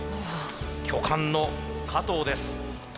巨漢の加藤です。